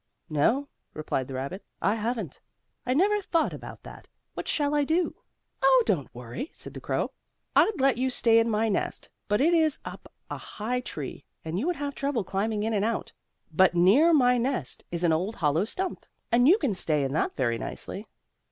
"No," replied the rabbit, "I haven't. I never thought about that. What shall I do?" "Oh, don't worry," said the crow. "I'd let you stay in my nest, but it is up a high tree, and you would have trouble climbing in and out. But near my nest house is an old hollow stump, and you can stay in that very nicely."